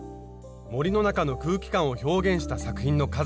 森の中の空気感を表現した作品の数々。